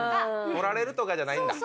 取られるとかじゃないんだ。